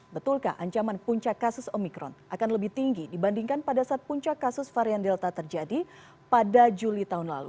betulkah ancaman puncak kasus omikron akan lebih tinggi dibandingkan pada saat puncak kasus varian delta terjadi pada juli tahun lalu